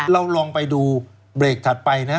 เราลองไปดูเบรกถัดไปนะ